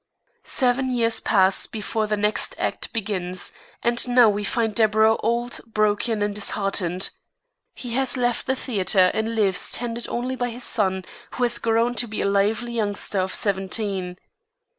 Seven years pass before the next act begins, and now we find Deburau old, broken, and disheartened. He has left the theater and he lives tended only by his son, who has grown to be a lively youngster of seventeen.